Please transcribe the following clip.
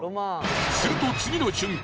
すると次の瞬間